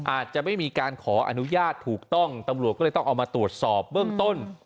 อาจจะไม่มีการขออนุญาตถูกต้องตำรวจก็เลยต้องเอามาตรวจสอบเบื้องต้น